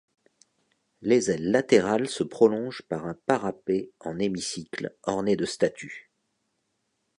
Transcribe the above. Les ailes latérales se prolongent par un parapet en hémicycle orné de statues.